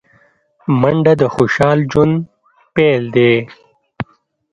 منډه د خوشال ژوند پيل دی